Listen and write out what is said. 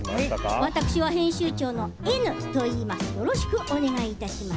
私は編集長のエヌといいます。